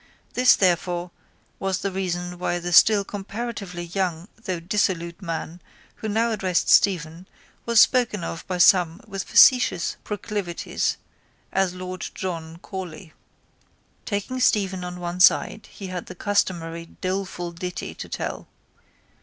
This therefore was the reason why the still comparatively young though dissolute man who now addressed Stephen was spoken of by some with facetious proclivities as Lord John Corley. Taking Stephen on one side he had the customary doleful ditty to tell.